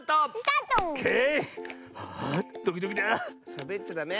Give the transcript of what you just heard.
しゃべっちゃダメ！